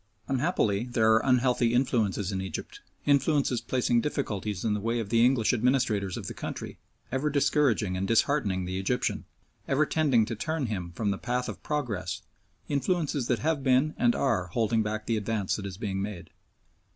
Unhappily there are unhealthy influences in Egypt influences placing difficulties in the way of the English administrators of the country, ever discouraging and disheartening the Egyptian, ever tending to turn him from the path of progress, influences that have been and are holding back the advance that is being made.